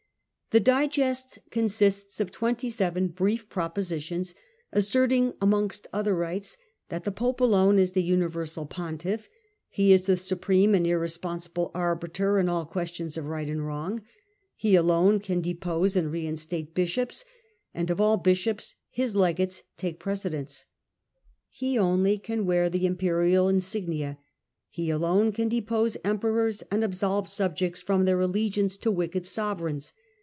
The digest consists of twenty seven brief propositions, asserting, amongst other rights, that the pope alone is the universal pontiff; he is the supreme and irresponsible arbiter in all questions of right and wrong, he alone can depose and reinstate bishops, and of all bishops his legates take precedence. He only can wear the imperial insignia, he alone can depose emperors, and absolve subjects from their allegiance to wicked sovereigns.